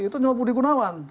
itu cuma budi gunawan